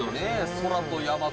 空と山と。